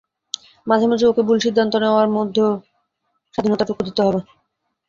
মাঝেমধ্যে ওকে ভুল সিদ্ধান্ত নেয়ারও স্বাধীনতাটুকু দিতে হবে।